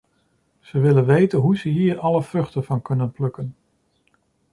Ze willen weten hoe ze hier alle vruchten van kunnen plukken.